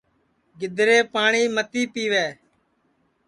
گِدریپ پاٹؔی متی پِیوے